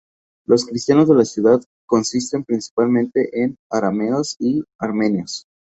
Los cristianos de la ciudad consisten principalmente en arameos y armenios.